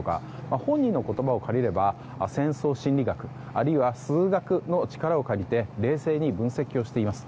本人の言葉を借りれば戦争心理学あるいは数学の力を借りて冷静に分析をしています。